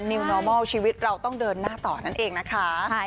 นิวนอร์มอลชีวิตเราต้องเดินหน้าต่อนั่นเองนะคะ